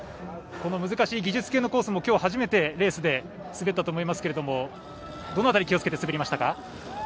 この難しい技術系のコースもきょう初めてレースで滑ったと思いますけれどもどの辺り気をつけて滑りましたか。